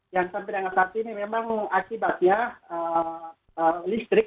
yang sampai dengan saat ini memang akibatnya listrik